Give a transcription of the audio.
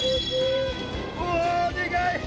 うおでかい！